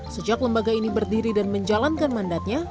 sejak lembaga ini berdiri dan menjalankan mandatnya